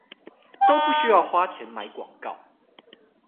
都不需要花錢買廣告